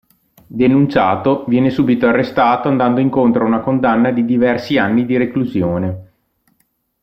Denunciato, viene subito arrestato andando incontro a una condanna di diversi anni di reclusione.